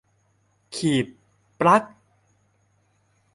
- ปลั๊ก